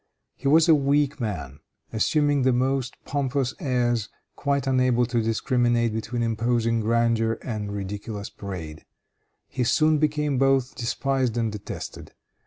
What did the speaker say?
He was a weak man, assuming the most pompous airs, quite unable to discriminate between imposing grandeur and ridiculous parade. He soon became both despised and detested.